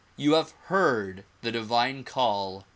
You have heard the divine call.